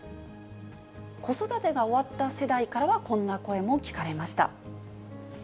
子育てが終わった世代からは、こんな声も聞かれました。